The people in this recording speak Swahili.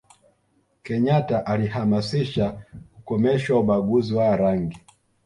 kenyata alihamasisha kukomeshwa ubaguzi wa rangi